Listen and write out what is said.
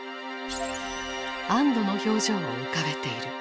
安どの表情を浮かべている。